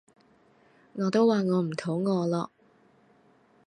我都話我唔肚餓咯